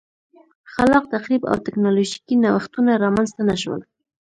خلاق تخریب او ټکنالوژیکي نوښتونه رامنځته نه شول